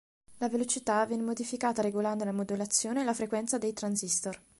La velocità viene modificata regolando la modulazione o la frequenza dei transistor.